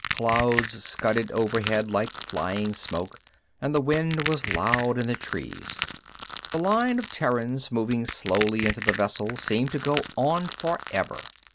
Clouds scudded overhead like flying smoke, and the wind was loud in the trees. The line of Terrans moving slowly into the vessel seemed to go on forever.